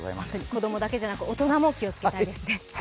子供だけじゃなく大人も気をつけたいですね。